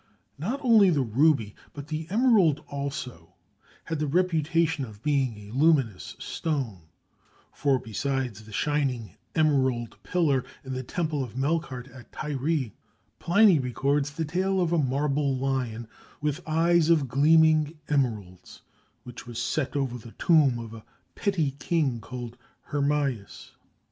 Not only the ruby, but the emerald also had the reputation of being a luminous stone, for, besides the shining "emerald" pillar in the temple of Melkart at Tyre, Pliny records the tale of a marble lion, with eyes of gleaming emeralds, which was set over the tomb of "a petty king called Hermias."